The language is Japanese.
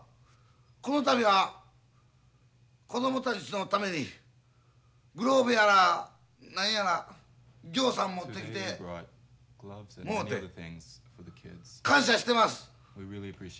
この度は子供たちのためにグローブやら何やらぎょうさん持ってきてもうて感謝してます。